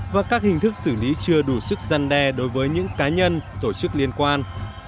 và các hình thức xử lý chưa đủ sức gian đe đối với những cá nhân tổ chức liên quan